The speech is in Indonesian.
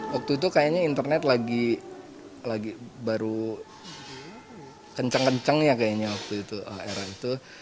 waktu itu kayaknya internet lagi baru kenceng kenceng ya kayaknya waktu itu era itu